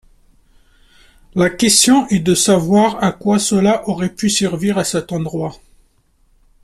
La question est de savoir à quoi cela aurait pu servir à cet endroit.